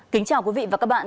kính chào quý vị và các bạn